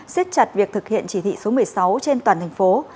xiết chặt việc thực hiện chỉ thị số một mươi sáu trên toàn thành phố